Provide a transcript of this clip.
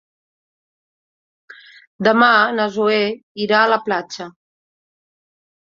Demà na Zoè irà a la platja.